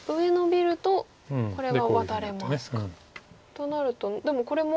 となるとでもこれも。